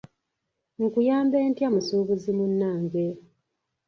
Nkuyambe ntya musuubuzi munnange?